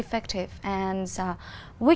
phát triển mạng